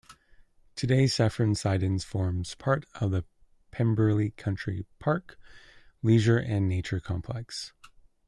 Today Cefn Sidan forms part of the Pembrey Country Park leisure and nature complex.